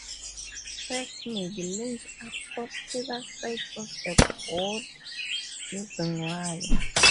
Tracks may be linked up on either side of the board using wire.